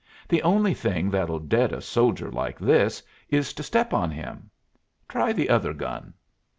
"The only thing that'll dead a soldier like these is to step on him. Try the other gun."